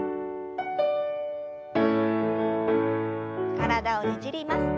体をねじります。